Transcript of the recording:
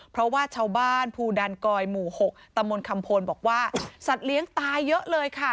เพราะว่าชาวบ้านภูดันกอยหมู่๖ตำบลคำพลบอกว่าสัตว์เลี้ยงตายเยอะเลยค่ะ